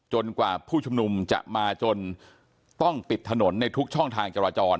กว่าผู้ชุมนุมจะมาจนต้องปิดถนนในทุกช่องทางจราจร